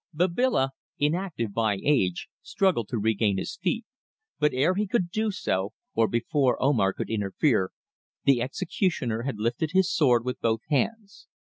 Babila, inactive by age, struggled to regain his feet, but ere he could do so, or before Omar could interfere, the executioner had lifted his sword with both hands.